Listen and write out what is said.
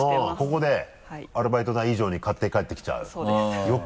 ここでアルバイト代以上に買って帰ってきちゃう。